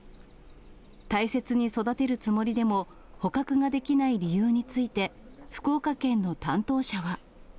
大切に育てるつもりでも、捕獲ができない理由について、福岡県の担当者は。